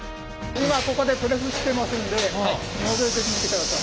今ここでプレスしてますんでのぞいてみてください。